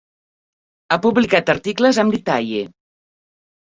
Ha publicat articles amb The Tyee.